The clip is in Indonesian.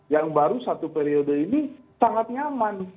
yang baru satu periode ini sangat nyaman